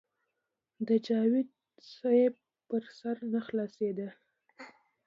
د جاوېد صېب پرې سر نۀ خلاصېدۀ -